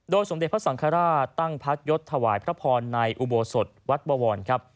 สมเด็จพระสังฆราชตั้งพักยศถวายพระพรในอุโบสถวัดบวรครับ